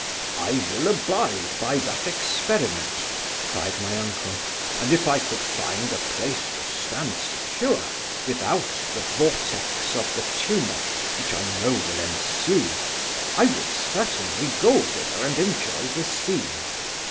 'I will abide by that experiment (cried my uncle) and if I could find a place to stand secure, without the vortex of the tumult, which I know will ensue, I would certainly go thither and enjoy the scene.